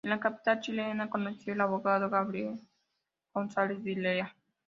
En la capital chilena conoció al abogado Gabriel González Videla.